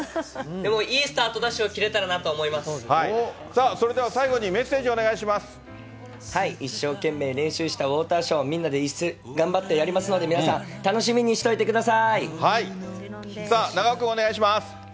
でもいいスタートダッシュを切れさあ、それでは最後にメッセ一生懸命練習したウォーターショー、みんなでやりますので、皆さん楽しみにしておいてくださ長尾君、お願いします。